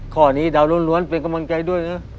ข้อนี้เดาล้วนเป็นกำลังใจด้วยนะ